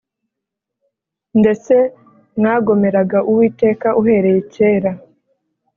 Ndetse mwagomeraga uwiteka uhereye kera